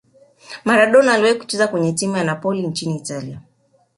maradona aliwahi kucheza kwenye timu ya napoli ya nchini italia